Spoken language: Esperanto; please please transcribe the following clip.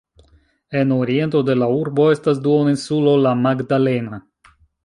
En oriento de la urbo estas duoninsulo La Magdalena.